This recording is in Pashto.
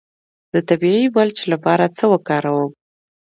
د طبیعي ملچ لپاره څه وکاروم؟